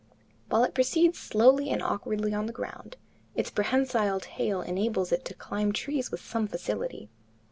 While it proceeds slowly and awkwardly on the ground, its prehensile tail enables it to climb trees with some facility.